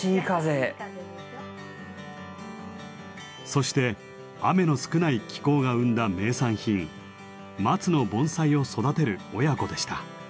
そして雨の少ない気候が生んだ名産品松の盆栽を育てる親子でした。